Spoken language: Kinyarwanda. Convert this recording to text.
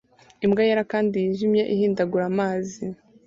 Imbwa yera kandi yijimye ihindagura amazi